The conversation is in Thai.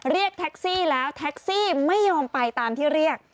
เรียกแท็กซี่แล้วแท็กซี่ไม่ยอมไปตามที่เรียก